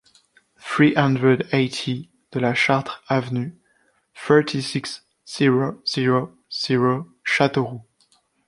Three hundred eighty de La Châtre Avenue, thirty-six, zero, zero, zero, Châteauroux.